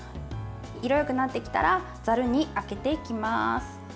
色よくなってきたらざるにあけていきます。